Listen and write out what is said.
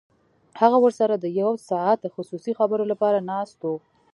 هغه ورسره د یو ساعته خصوصي خبرو لپاره ناست و